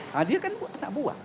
nah dia kan anak buah